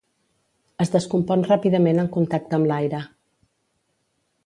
Es descompon ràpidament en contacte amb l'aire.